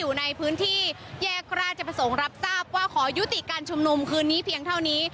อยู่ในพื้นที่แยกราชมส่งรับทราบว่าขอยุติการชุมนมคืไม่เท่านี้